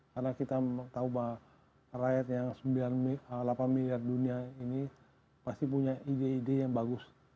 karena kita tahu bahwa rakyat yang sembilan puluh delapan miliar dunia ini pasti punya ide ide yang bagus